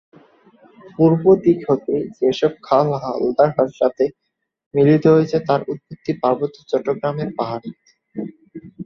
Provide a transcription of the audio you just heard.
পূর্বদিক হতে যেসব খাল হালদার সাথে মিলিত হয়েছে তার উৎপত্তি পার্বত্য চট্টগ্রামের পাহাড়ে।